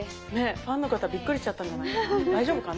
ファンの方びっくりしちゃったんじゃないかな？